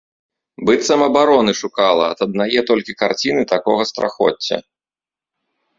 Быццам абароны шукала ад аднае толькі карціны такога страхоцця.